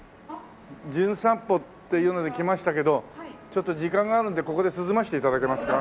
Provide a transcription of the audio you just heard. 『じゅん散歩』っていうので来ましたけどちょっと時間があるんでここで涼ませて頂けますか？